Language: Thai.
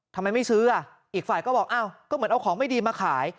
ทำไมไม่ซื้ออ่ะอีกฝ่ายก็บอกอ้าวก็เหมือนเอาของไม่ดีมาขาย